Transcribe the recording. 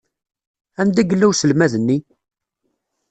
Anda yella uselmad-nni?